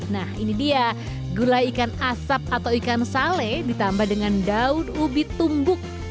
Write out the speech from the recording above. nah ini dia gulai ikan asap atau ikan sale ditambah dengan daun ubi tumbuk